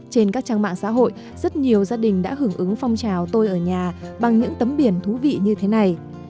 trên các trang mạng xã hội rất nhiều gia đình đã hưởng ứng phong trào tôi ở nhà bằng những tấm biển thú vị như thế này